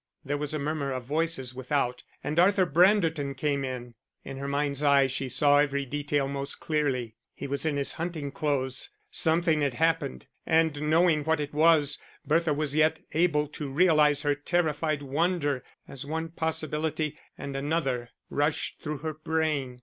There was a murmur of voices without and Arthur Branderton came in. In her mind's eye she saw every detail most clearly. He was in his hunting clothes! Something had happened, and knowing what it was, Bertha was yet able to realise her terrified wonder, as one possibility and another rushed through her brain.